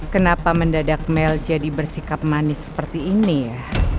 kenapa mendadak mel jadi bersikap manis seperti ini ya